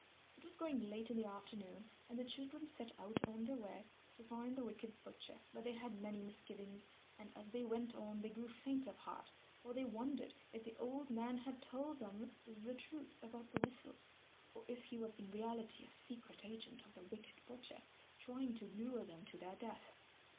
It was growing late in the afternoon and the children set out on their way to find the wicked butcher. But they had many misgivings, and as they went on they grew faint of heart, for they wondered if the old man had told them the truth about the whistles or if he was in reality a secret agent of the wicked butcher trying to lure them to their death.